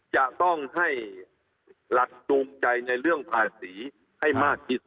จะต้องให้หลักจูงใจในเรื่องภาษีให้มากที่สุด